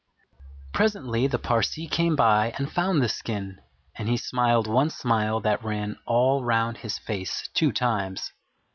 Presently the Parsee came by and found the skin, and he smiled one smile that ran all round his face two times.